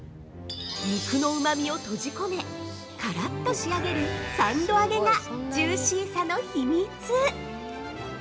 ◆肉のうまみを閉じ込めカラッと仕上げる３度揚げがジューシーさの秘密。